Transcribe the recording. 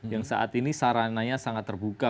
yang saat ini sarananya sangat terbuka